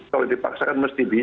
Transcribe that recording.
kalau dipaksakan mesti bisa